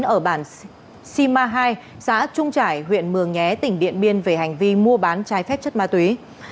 ở bản sima hai xã trung trải huyện mường nhé tỉnh điện biên về hành vi mua bán trái phép chất ma túy